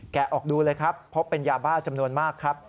ออกดูเลยครับพบเป็นยาบ้าจำนวนมากครับ